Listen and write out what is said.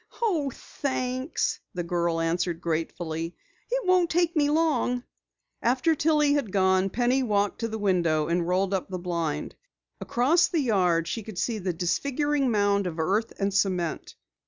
"Oh, thanks," the girl answered gratefully. "It won't take me long." After Tillie had gone, Penny walked to the window and rolled up the blind. Across the yard she could see the disfiguring mound of earth and cement.